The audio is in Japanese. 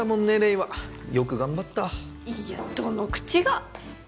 黎はよく頑張ったいやどの口が！